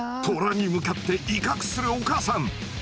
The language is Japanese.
トラに向かって威嚇するお母さん。